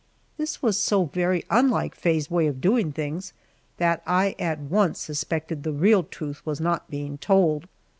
This was so very unlike Faye's way of doing things, that at once I suspected that the real truth was not being told.